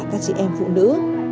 các chị em phụ nữ